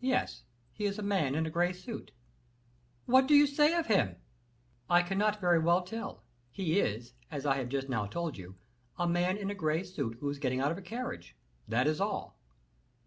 "Yes; he is a man in a gray suit." "What do you say of him?" "I cannot very well tell; he is, as I have just now told you, a man in a gray suit, who is getting out of a carriage; that is all."